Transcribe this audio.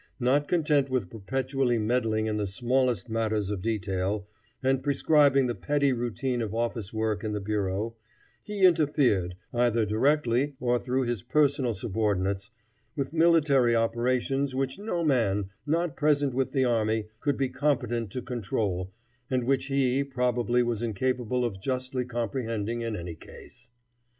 Not content with perpetually meddling in the smallest matters of detail, and prescribing the petty routine of office work in the bureau, he interfered, either directly or through his personal subordinates, with military operations which no man, not present with the army, could be competent to control, and which he, probably, was incapable of justly comprehending in any case.